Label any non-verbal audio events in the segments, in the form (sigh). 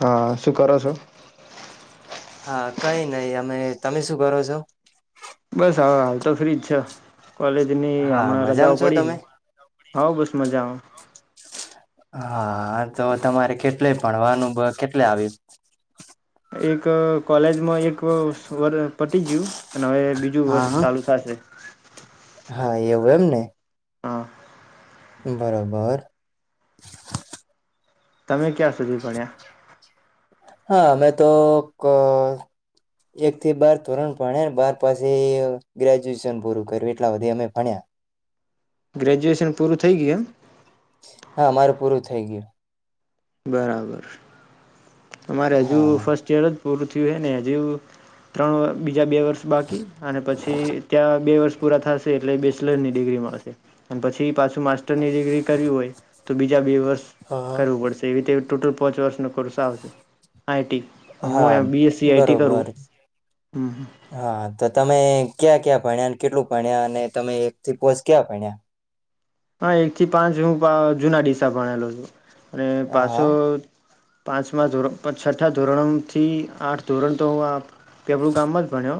હા શું કરો છો હા કઈ નહી અમે તમે શું કરો છો બસ હ હાલ તો ફ્રીજ છ કોલેજ ની હા હમણાં રજાઓ મજામાં છો પડી તમે છે હ બસ મજા હા તો તમારે કેટલે ભણવાનું કેટલે આવી એક કોલેજમાં એક વર્ પતી ગયું અને હવે બીજું હા વર્ષ હા ચાલુ થશે હા એવું એમ ને હા બરાબર તમે ક્યાં સુધી પડ્યા હા અમે તો એક થી બાર ધોરણ ભણ્યા બાર પાછી ગ્રેજ્યુએશન પૂરું કર્યું એટલા બધી અમે ભણ્યા ગ્રેજ્યુએશન પૂરું થઈ ગયું એમ હા મારેું પૂરું થઈ ગયું બરાબર તમારે હજુ હા ફર્સ્ટ યર જ પૂરું ને જે ત્રણ બીજા બે વર્ષ બાકી અને પછી ત્યાં બે વર્ષ પૂરા થશે એટલે બેચલર ની ડિગ્રી મળશે અને પછી પાછ માસ્ટર ની ડિગ્રી કરવી હોય તો બીજા બે વર્ષ કરવું પડશે. એ રીતે ટોટલ પાંચ વર્ષો હ હા બીએસસી આઈટી કરું બરોબર હ. હા તો તમે ક્યાં ક્યાં ભણ્યા કેટલું ભણ્યા અને તમે એક થી પોચ ક્યાં ભણ્યા? હા એક થી પાંચ હું જુના ડીસા ભણેલો છું. અને હા પાસો પાંચમા ધોરણ છઠ્ઠા ધોરણોથી આઠ ધોરણ તો હું પેપળું ગામમાં જ ભણ્યો.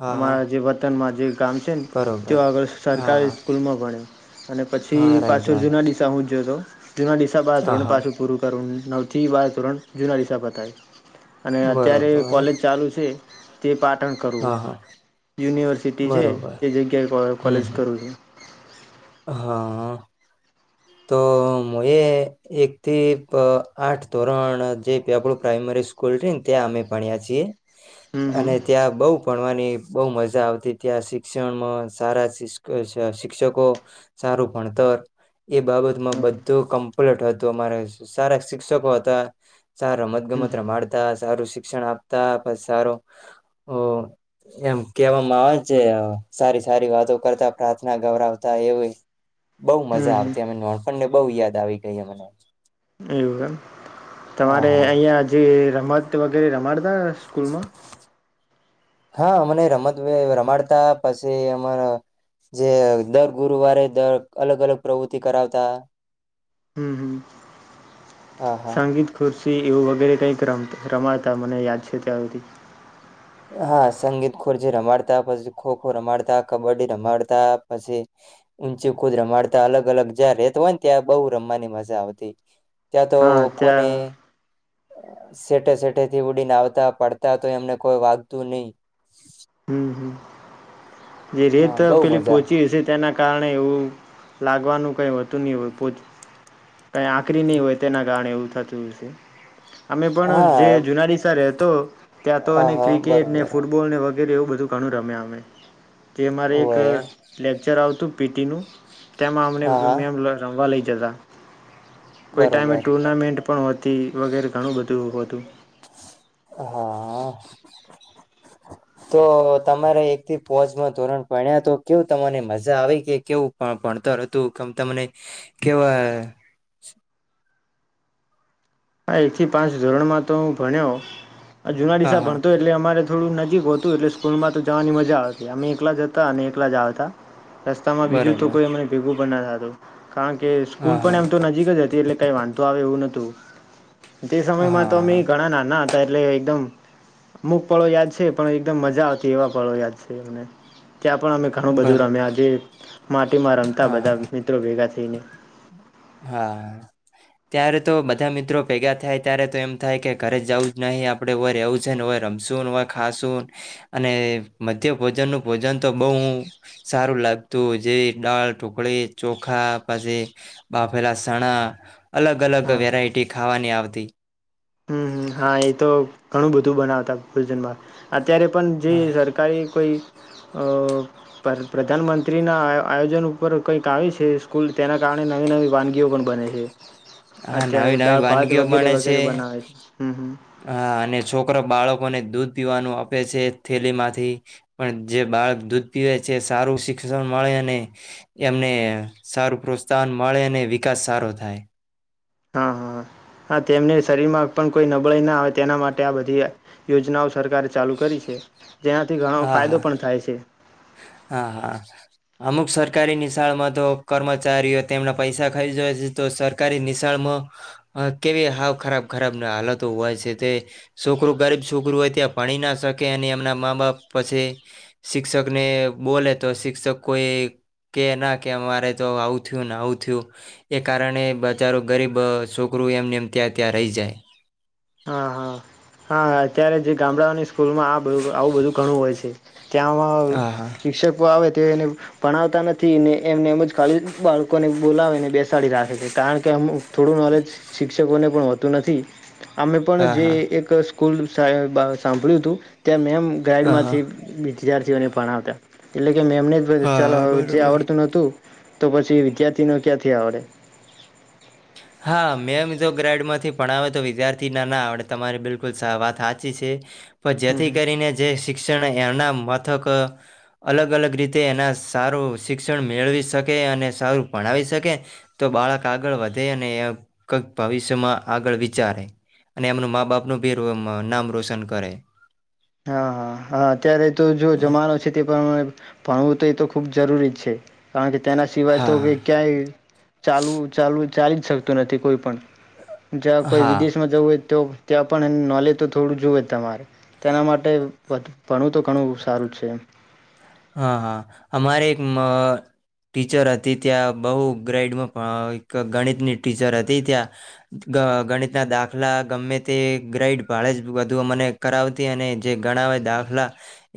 હા હા હા અમારા જે વતનમાં જે ગામ છે ને તેઓ બરોબર આગળ હા હા સરકારી સ્કૂલમાં ભણે. અને પછી હા રાઈટ પાછળ વાત જુના દિશા હું જો તો જેમાં નિડીશસા બાહ હા ધોરણ હા પાછું પૂરું કરું. નવથી બાર સોરણ જૂના દિસા પતય અને અત્યારે બરોબર કોલેજ ચાલુ છે. તે પાઠ પાટણ કરવું હા હા યુનિવર્સિટી છે બરોબર તે જગ્યાએ હમ કોલેજ હમ કરવું છ. હા. તો મ એ એક થી આઠ ધોરણ જે આપડું પ્રાઈમરી સ્કૂલ છે ને ત્યાં અમે ભણ્યા છીએ. હમ હમ અને ત્યાં બઉ ભણવાની. બહ મજા આવતી ત્યાં શિક્ષણમાં સારા શિક્ષકો સારું ભણતર. એ બાબતમાં બધું કમ્પ્લેટ હત તો અમારે સારા શિક્ષકો હતા. સાર ર મત્ હમ ગમત ર માતા સારું શિક્ષણ આપતા પછી સારું એમ કહેવામાં આવે છે સારી સારી વાતો કરતા પ્રાર્થના ગૌરાવતા એવી બઉ હમ મજા હમ આવતી. પણને બહુ યાદ આવી ગઈ મને. એવુંગ તમારે અહિયાં જ મ વગેરે એરા માદા સ્કૂલમાં હા અમને રમત વે રમાડતા પછી એમાં જે દર ગુરુવારે દર અલગ અલગ પ્રવૃતિ કરાવતા. હમ્મ હા હા સંગીત ખુરશ તી એવું વગેરે કંઈક રમ રમાડતા મને યાદ છે ત્યાર થી. હા સંગીત ખુરશી રમાડતા પછી ખોખો રમાડતા કબડ્ડી રમાડતા પછી ઊંચી કુદ રમાડતા અલગ- અલગ જ્યાં રેત હોય ને ત્યાં બહુ રમવાની મજા આવતી. ત્યાં તો હા (unintelligible) ને ત્યાં આ સેટે સેટેથી ઉડીને આવતા પડતા તો એમને કોઈ વાગતું ની. હમ હમ જે રેત હા બઉ પેલી મજા પોચી હશે ત્યાં ન કારણે એવું લાગવાનું કંઈ હોતું ની હોય પોચ કઈ આકરી નહીં હોય તેના કારણે એવું થતું છે. અમે પણ જે હા જુના નિશાળે તો ત્યાં તો હા ને હા ક્રિકેટ ને બરોબર ફૂટબોલ ને વગ (unintelligible) એવું બધું ઘણું રમ્યા અમે. તે મારે એક હોય લેક્ચર આવતું પી ટી નું તેમાં અમને હા બધું હા મેમ રમવા લઈ જતા. કોઈ ટાઈમે બરોબર ટૂર્નામેન્ટ પણ હોતી વગેરે. ઘણું બધું હતું હા. તો તમારે એકથી પોજમાં ધોરણ ભણ્યા તો કેવું તમાને મજા આવી કે કેવું ભ ભણતર હતું કેમ તમને કેવા હા એક થી પાંચ ધોરણમાં તો હું ભણ્યો આ હા જુના (unintelligible) હા ભણતો એટલે અમારે થોડું નજીક હોતું એટલે સ્કૂલમાં તો જવાની મજા આવતી અમે એકલા જ હતા અને એકલા જ આવતા. રસ્તામાં બીજું તો બરોબર કોઈ અમને ભેગું પણ ના થ (inaudible) કારણ કે હા સ્કૂલ હા પણ એમ તો નજીક જ હતી એટલે કઈ વાંધો આવે એવું નતું. તે સમયમાં તો મે હા ઘણા નાના તલે એકદમ મુખ પળો યાદ છે પણ એ એકદમ મજા આવતી એવા પળો યાદ છે એમને. ત્યાં પણ અમે ઘણું બધું બરોબર રમ્યા જે માટીમાં રમતા હા બધા મિત્રો ભેગા થઈને. હા ત્યારે તો બધા મિત્રો ભેગા થાય ત્યારે તો એમ થાય કે ઘરે જવું જ નહી આપડે હોય રહેવું છે ન હોય રમશું ને હોય ખાશું અને મધ્ય ભોજન નું ભોજન તો બહુ સારું લાગતું જેવી દાળ ઢુકળી ચોખા પછી બાફેલા સણા અલગ-અલગ હા હા વેરાયટી ખાવાની આવ તી. હમ હમ હા એ તો ઘણું બધું બનાવતા ભોજનમાં ત્યારે પણ જે સરકારી કોઈ અ પર પ્રધાનમંત્રીના આયોજન ઉપર કંઈક આવી છે સ્કૂલ તેના કારણે નવી નવી વાનગીઓ પણ બને છે હા નવી અત્યારે નવી દાળ ભાત વાનગીઓ વગેરે બને છે વગેરે બનાવે છે. હમ હમ હા અને છોકરો બાળકોને દૂધ પીવાનું આપે છે થેલીમાંથી પણ જે બાળક દૂધ પીવે છે સારું શિક્ષણ મળે અને એમને સારું પ્રોત્સાહન મળે અને વિકાસ સારો થાય હા હા હા તેમને શરીરમાં પણ કોઈ નબળાઈ ના આવે તેના માટે આ બધી યોજનાઓ સરકારે ચાલુ કરી છે જેનાથી ઘણો હા ફાયદો હા પણ થાય છે હા હા અમુક સરકારી નિશાળમાં તો કર્મચારીઓ તેમના પૈસા ખાઈ જાય છે તો સરકારી નિશાળમાં કેવી હાવ ખરાબ ખરાબ હાલતો હોય છે તે છોકરું ગરીબ છોકરું હોય ત્યાં ભણી ના શકે અને એમના મા બાપ પછી શિક્ષકને બોલે તો શિક્ષક કોઈ કે ના કે અમારે તો આવું થયું આવું થયું એ કારણે બજારો ગરીબ છોકરું એમને એમ ત્યાં ત્યાં રહી જાય હા હા હા હા અત્યારે જે ગામડાઓની સ્કૂલમાં આ બધ આવું બધું ઘણું હોય છે ત્યાંમાં હા હા શિક્ષકો આવે તે એને ભણાવતા નથી ને એમને એમ જ ખાલી બાળકોને બોલાવેને બેસાડી રાખે છે કારણ કે અમ થોડું નોલેજ શિક્ષ કોને પણ હોતું નથી અમે પણ હા જે એક સ્કૂલ સા સાંભળ્યું હતું ત્યાં મેમ હા ગાઈડમાંથી બી વિદ્યાર્થીઓને પણાવતા એટલે કે એમનેમ જ બધું હા હા ચલાવતા જે બરોબર આવડતું નોતું તો પછી વિદ્યાર્થી ન ક્યાંથી આવડે હા મેમ જો ગ્રેડ માંથી ભણાવે તો વિદ્યાર્થી ના ના આવડે તમારી બિલકુલ વાત સાચી છે પણ હમ જેથી હમ કરીને જે શી શિક્ષણ એના મથક અલગ અલગ રીતે એના સારું શિક્ષણ મેળવી શકે અને સારું ભણાવી શકે તો બાળક આગળ વધે અને કઈક ભવિષ્યમાં આગળ વિચારે અને એમનું મા બાપનું ભી નામ રોશન કરે હા હા હા અત્યારે તો જો જમાનો છે તે પણ ભણવું તો એ તો ખુબ જરૂરી જ છે કારણ કે તેના સિવાય તો હવે હા, ક્યાંય ક્યાય ચાલવું ચાલુ ચાલી જ શકતું નથી કોઈ પણ જ્યાં કોઈ હા. વિદેશ માં જવું હોય તો ત્યાં પણ એનું નોલેજ તો થોડું જુવે જ તમારે. તેના માટે ભટ ભણું તો ઘણું સારું છે એમ. હા. હા. અમારે એક ટીચર હતી ત્યાં બહુ ગ્રેાઈડમાં એક ગણિતની ટીચર હતી, ત્યાં ગણિતના દાખલા ગમે તે ગ્રાઈડ ભાડે જ બધું અમને કરાવતી અને જે ગણાવે દાખલા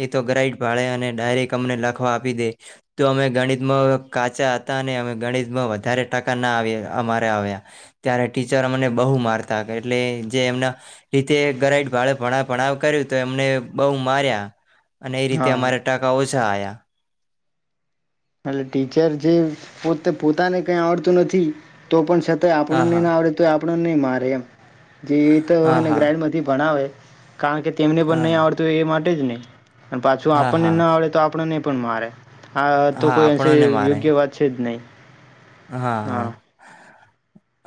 એ તો ગ્રાઈડ ભાડે અને ડાયરેક્ટ અમને લખવા આપી દે, તો અમે ગણિતમાં કાચા હતા અનેને અમે ગણિતમાં વધારે ટકા ના આય અમારે આવ્યા, ત્યારે ટીચર અમને બહુ મારતા એટલે જે એમના રીતે ગ્રાઈડ ભાડે ભણાવ ભણાવ કર્યું તો એમને બહુ માર્યા અને એ રીતે હા અમારે ટકા ઓછ આયા. એટ ટીચર જે પોતે પોતાને કઈ આવડતું નથી, તો પણ હા આપણને ન હા આવડે તે આપણાને મારે્ય એમ. જે એ તો હા એને હા ગ્રાઈડમાંથી ભણાવે કારણ કે તેમને પણ નહીં હા આવડતું હોય એ માટે જ ન ને. (unintelligible) પાછું હા આપણને હા ના આવડે તો આપણને પણ મારે હ તો હા કોઈ અંશે આપણને મારે યોગ્ય વાત છે જ નહીં. હા. હા.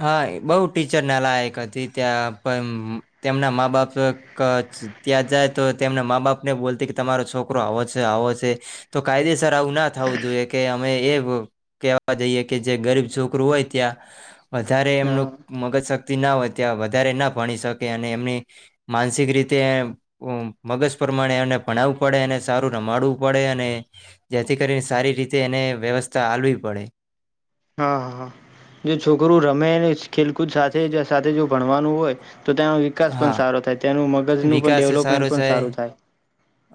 હા બઉ ટીચર ના લાયક હતી, ત્યાં પણ તેમના મા બાપ કે ત્યાં જાય તો તેમના મા બાપ ને બોલતી કે તમારો છોકરો આવો છે આવો છે તો કાયદેસર દર આવું ના થવું જોઈએ કે અમે એ કેવા જઈએ કે જે ગરીબ છોકરું હોય ત્યાં વધારે હા એમનું મગજ ના હોય ત્યાં વધારે ના ભણી શકે અને એમની માનસિક રીતે મગજ પ્રમાણે એમને ભણાવવું પડે અને સારું રમાડવું પડે અને જેથી કરીને સારી રીતે એને વ્યવસ્થા હાલવી પડે હા. હા. જો છોકરું રમે ખેલકૂદ સાથે સાથે જો ભણવાનું હોય તો તેનો વિકાસ પણ હા. સારો થાય તેનું મગજનું પણ વિકાસ સારો ડેવલપમેન્ટ પણ સાઈ, સારું થાય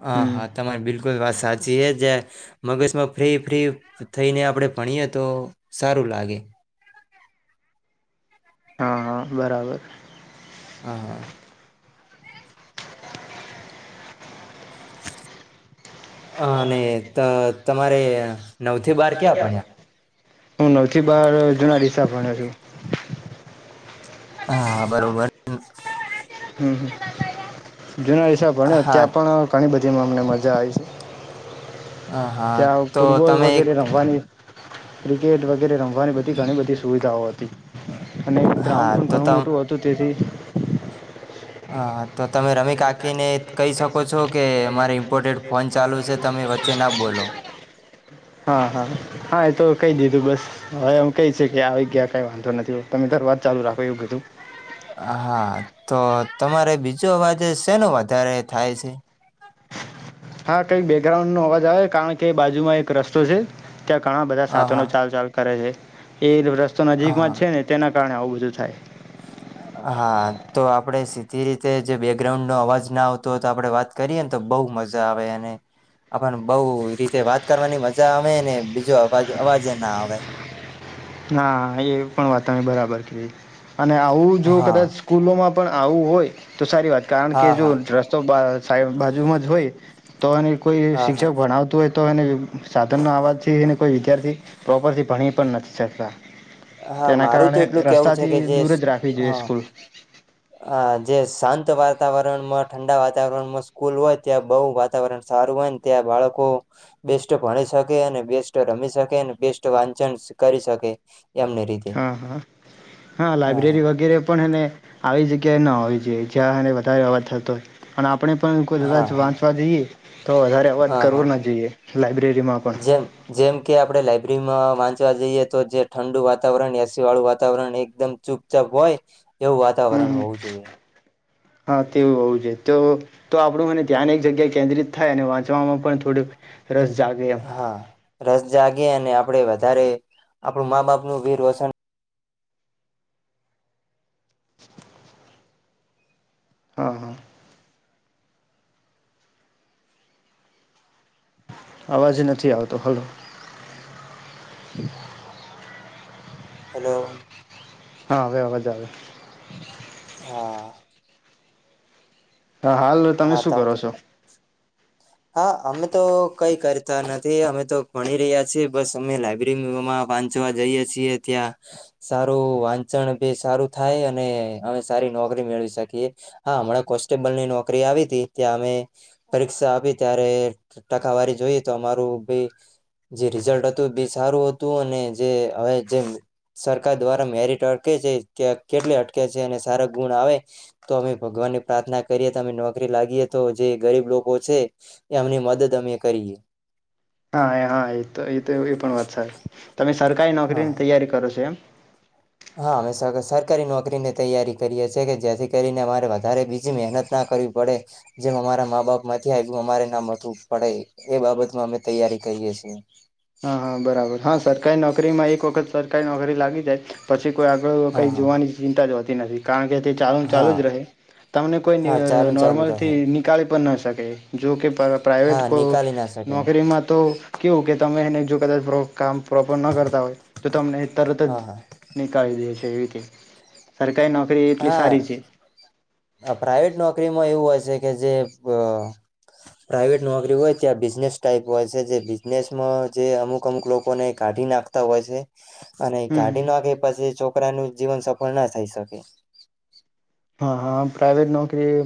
હા હમ હા તમારી બિલકુલ વાત સાચી છે જ મગજમાં ફ્રી ફ્રી થઈને આપડે ભણીએ તો સારું લાગે. હા. હા. બરાબર. હા (inaudible) હ અને ત તો તમારે નવ થી બાર ક્યા પણ્યા હન (unintelligible) થી બહાર જૂના ડીસા ભણે છું. હા. બરોબર. હમ (unintelligible) જુના હિસાબ ભણ ત્યાં હા પણ ઘણી બધી મને મજા જાય છે હા ત્યાં તો ફૂટબોલ તમે એક વગેરે રમવાની, ક્રિકેટ વગેરે રમવાની બધી ઘણી બધી સુવિધાઓ હતી અને ગ્રાઉન્ડ હા પણ તો ઘણું તમ મોટું હતું તેથી હા તો તમે રમી કાકીને કહી શકો છો કે અમારી બોલો હા હા હા એ તો કહી દીધું બસ હવે કઈ છે કે આ જ્યા કઈ વાંધો નથી તમે ધરવાજ ચાલુ રાખો એવું કીધું હા તો તમારે બીજો અવાજે શેનું વધારે થાય છે હા કઈક બેકગ્રાઉન્ડ નો અવાજ આવે કારણ કે બાજુમાં એક રસ્તો છે ત્યાં ઘણા બધા હા સાધનો હા ચાલ ચાલ કરે છે એ રસ્તો નજીકમાં જ છે હા ને તેના કારણે આવું જ થાય હા તો આપડે જે રીતે જે બેકગ્રાઉન્ડ નો અવાજ ના આવતો હોય તો આપડે વાત કરીએને તો બહ મજા આવે અને આપણને બહ રીતે વાત કરવાની મજા આવે ને બીજો અવાજ અવાજ ના આવે હા એ પણ વાતમે બરાબર કેવી અને આવું જો હા કદાચ સ્કૂલોમાં પણ આવું હોય તો સારી વાત કારણ કે હા જો હા રસ્તો સાઈબ બાજુમાં જ હોય તો અને કોઈ હા હા શિક્ષક ભણાવતું હોય તો એ સાધનનોો અવાજ કોઈ વિદ્યાર્થી પ્રોપરથી ભણી પણ નથી સતડા હા મારું તો એટલું કેવું છે કે જે હ દૂર જ રાખવી જોઈએ સ્કૂલ જે શાંત વાતાવરણમાં ઠંડા વાતાવરણમાં સ્કૂલ હોય ત્યાં બહુ વાતાવરણ સારું હોય ત્યાં બાળકો બેસ્ટ ભણી શકે અને બેસ્ટ રમી શકે અને બેસ્ટ વાંચન કરી શકે એમની રીતે હા હા હા લાઈબ્રેરી વગેરે પણ એને આવી જગ્યા ક ના હોવી જોઈએ જ્યાંને વધારે અવાજ થતો હોય અને આપણે હા કદાચ વાંચવા જઈએ તો વધારે અવાજ હા હા કરવો ના જોઈએ લાઈબ્રેરીમાં પણ જેમ ચવા જઈએ તો જે ઠંડુ વાતાવરણ એસી વાળું વાતાવરણ એકદમ ચુપચાપ હોય એવું હમ વાતાવરણ હમ હોવું જોઈએ હા તેવું હોવું જો તો તો આપડું મને ધ્યાન એક જગ્યા કેન્દ્રિત થાય અને વાંચવામાં પણ થોડુંક રસ જાગે એમ હા રસ જાગે અને આપ આપડે વધારે આપણું મા બાપનુંું વીર રોશન હા હા અવાજ નથી આવતો હલો હેલો હલો હા બરાબજ આવે હા હા હાલ તમે હા શું કરો છો? હા અમે તો કઈ કરતા નથી અમે તો ભણી રહ્યા છીએ બસ અમે લાયબ્રેરીમાં વાંચવા જઈએ છીએ ત્યાં સારું વાંચન બી સારું થાય અને અમે સારી નોકરી મેળવી શકીએ હા હમણાં કોન્સ્ટેબલની નોકરી આવી હતી ત્યાં અમે પરીક્ષા આપી. ત્યારે ટકાવારી જોઈએ તો અમારું બી જે રિઝલ્ટ હતું બી સારું હતું અને જે હવે જે સરકાર દ્વારા મેરિટ અટકે છે કે કેટલી અટકે છે અને સારા ગુણ આવે તો અમે ભગવાનની પ્રાર્થના કરીએ તો અમે નોકરી લાગીએ તો જે ગરીબ લોકો છે. એમની મદદ અમે કરીએ. હા હા આત તો એ પણ વાત સાહે તમે સરકારી નોકરીની હા તૈયારી કરો છો એમ. હા અમે સરકારી નોકરીની તૈયારી કરીએ છીએ કે જેથી કરીને અરે વધારે બીજી મહેનત ના કરવી પડે જેમ અમારા મા બાપ નથી આવ અમારે ના મવું પડે એ બાબતમાં અમે તૈયારી કરીએ છીએ. હા હા બરાબર હા સરકારી નોકરીમાં એક વખત સરકારી નોકરી લાગી જાય પછી કોઈ આગળ હા કંઈ હા જોવાની ચિંતા જ નતી નથી કારણ કે તે ચાલુ ચાલુ હા જ રહે તમને કોઈ હા ચાલુ ચાલુ રહે નોર્મલથી નીકળી પણ ન શકે. જો કે પર પ્રાાઈવેટ હા કો નિકાલી ના શકે નોકરીમાં તો કેવ કે તમે એને જો કદાચ કામ પ્રોપર ન કરતા હોય તો તમને તરત જ હા હા નીકાળી દે છે એવી સરાર હા પ્રાઈવેટ નોકરીમાં એવું હોય છે કે જે પ્રાાઈવેટ નોકરી હોય ત્યાં બિઝનેસ ટાઈપ હોય છે જે બિઝનેસમાં જે અમુક અમુક લોકોને કાઢી નાખતા હોય છે. અને ગાડી હમ નાખે પછી ચો છોકરા ન જીવન સફળ ના થઈ શકે. હા હા પ્રઇવેટ નોકરી